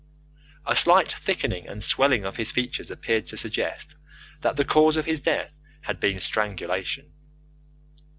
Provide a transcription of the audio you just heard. A slight thickening and swelling of his features appeared to suggest that the cause of his death had been strangulation.